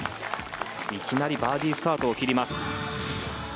いきなりバーディースタートを切ります。